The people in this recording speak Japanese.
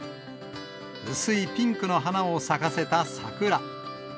薄いピンクの花を咲かせた桜。